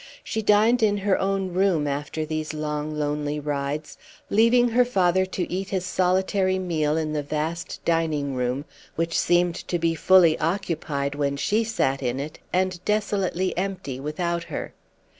She dined in her own room after these long, lonely rides, leaving her father to eat his solitary meal in the vast dining room, which seemed to be fully occupied when she sat in it, and desolately empty without her.